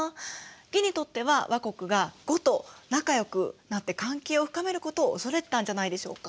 魏にとっては倭国が呉と仲良くなって関係を深めることを恐れてたんじゃないでしょうか？